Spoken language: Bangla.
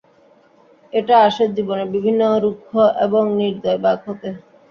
এটা আসে জীবনের বিভিন্ন রুক্ষ এবং নির্দয় বাঁক হতে।